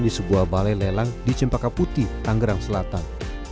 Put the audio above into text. di sebuah balai lelang di cempaka putih tanggerang selatan